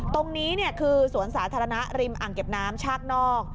ตรงนี้คือสวนสาธารณะริมอ่างเก็บน้ำชากนอก